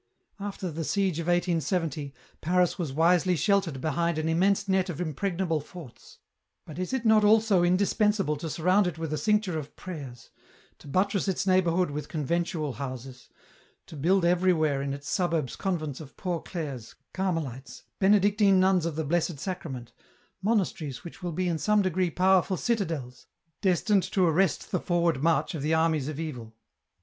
" After the siege of 1 870, Paris was wisely sheltered behind an immense net of impregnable forts ; but is it not also indispensable to surround it with a cincture of prayers, to buttress its neighbourhood with conventual houses, to build everywhere in its suburbs convents of Poor Clares, Carmelites, Benedictine nuns of the Blessed Sacrament, monasteries which will be in some degree powerful citadels, destined to arrest the forward march of the armies of evil